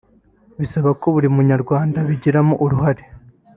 bisaba ko buri munyarwanda abigiramo uruhare